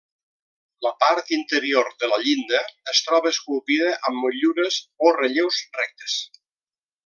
La part interior de la llinda es troba esculpida amb motllures o relleus rectes.